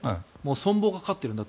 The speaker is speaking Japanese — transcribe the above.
存亡がかかっているんだと。